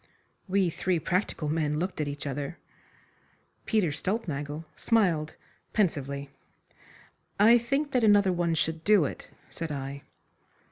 We three practical men looked at each other. Peter Stulpnagel smiled pensively. "I think that another one should do it," said I.